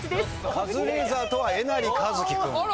カズレーザーとはえなりかずき君。